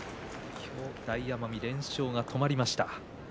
今日、連勝が止まりました。